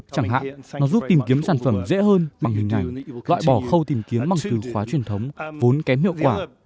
chẳng hạn nó giúp tìm kiếm sản phẩm dễ hơn bằng hình ảnh loại bỏ khâu tìm kiếm bằng từ khóa truyền thống vốn kém hiệu quả